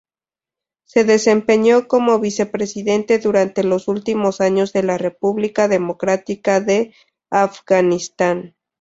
Se desempeñó como Vicepresidente durante los últimos años de la República Democrática de Afganistán.